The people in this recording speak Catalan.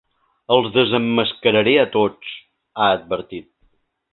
“Els desemmascararé a tots”, ha advertit.